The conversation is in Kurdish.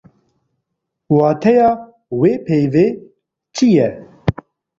Wateya wê peyvê çi ye?